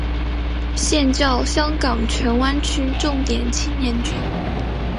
现教香港荃湾区重点青年军。